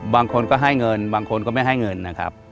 บางคนก็ให้เงินบางคนก็ไม่ให้เงินนะครับ